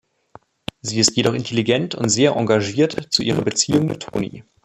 Sie ist jedoch intelligent und sehr engagiert zu ihrer Beziehung mit Tony.